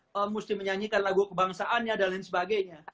harus menyanyikan lagu kebangsaan dan lain sebagainya